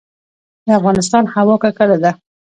د افغانستان هوا ککړه ده